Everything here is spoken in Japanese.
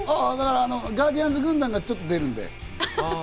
ガーディアンズ軍団がちょっと出るんだよ。